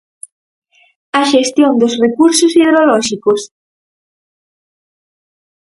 A xestión dos recursos hidrolóxicos.